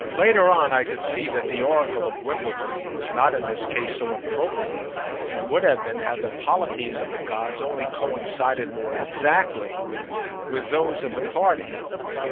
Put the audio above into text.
Later on I could see that the oracle of Wimbledon was not in this case so appropriate as he would have been had the polities of the gods only coincided more exactly with those of the party.